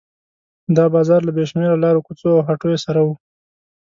دا بازار له بې شمېره لارو کوڅو او هټیو سره و.